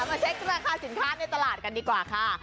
มาเช็คราคาสินค้าในตลาดกันดีกว่าค่ะ